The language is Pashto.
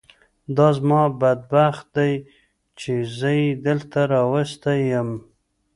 دا زما بد بخت دی چې زه یې دلته راوستی یم.